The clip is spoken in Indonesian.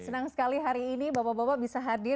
senang sekali hari ini bapak bapak bisa hadir